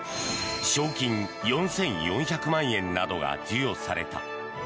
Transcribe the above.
賞金４４００万円などが授与された。